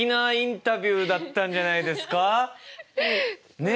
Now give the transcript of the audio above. ねえ！